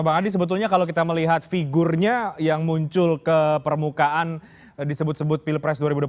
bang adi sebetulnya kalau kita melihat figurnya yang muncul ke permukaan disebut sebut pilpres dua ribu dua puluh